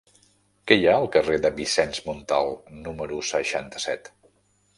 Què hi ha al carrer de Vicenç Montal número seixanta-set?